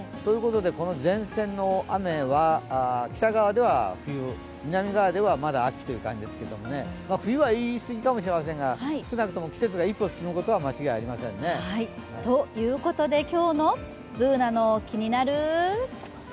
この前線の雨は南側ではまだ秋という感じですが冬は言いすぎかもしれませんが少なくとも季節が１個進むことは間違いありませんね。ということで、今日の「ＢｏｏｎａのキニナルＬＩＦＥ」。